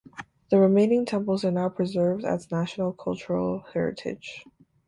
The remaining temples are now preserved as national cultural heritage.